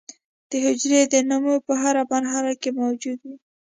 د حجرې د نمو په هره مرحله کې موجود وي.